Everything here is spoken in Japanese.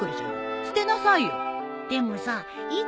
捨てなさいよ。